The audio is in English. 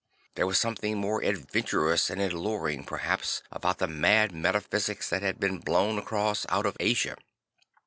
There was something more adventurous and alluring, perhaps, about the mad metaphysics that had been blown across out of Asia.